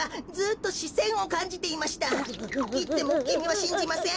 いってもきみはしんじません？